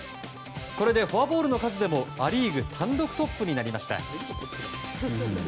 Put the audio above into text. これで、フォアボールの数でもア・リーグ単独トップになりました。